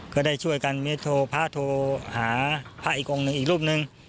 ก็ได้ช่วยกันโทรพระโทรหาพระอีกองค์หนึ่งอีกรูปหนึ่ง